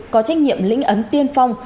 có trách nhiệm lĩnh ấn tiên phong